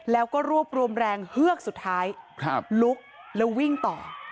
แล้วก็รวบรวมแรงเฮือกสุดท้ายลุกแล้ววิ่งต่อ